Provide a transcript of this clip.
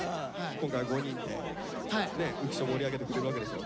今回５人で浮所盛り上げてくれるわけでしょ？